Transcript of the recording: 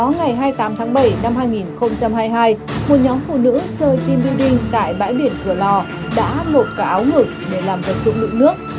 ngày hai mươi tám tháng bảy năm hai nghìn hai mươi hai một nhóm phụ nữ chơi team building tại bãi biển cửa lò đã hát ngộ cả áo ngực để làm thất dụng nữ nước